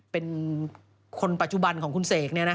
เป็นคนปัจจุบันของคุณเสกนี่นะคะ